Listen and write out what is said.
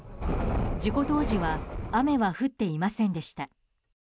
事故当時は雨は降っていませんでした。